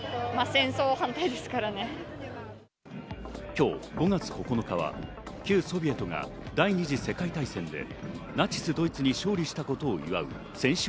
今日５月９日は旧ソビエトが第二次世界大戦でナチス・ドイツに勝利したことを祝う戦勝